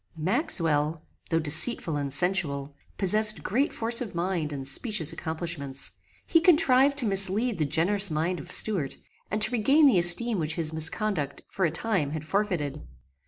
Maxwell, though deceitful and sensual, possessed great force of mind and specious accomplishments. He contrived to mislead the generous mind of Stuart, and to regain the esteem which his misconduct, for a time, had forfeited.